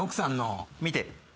見て。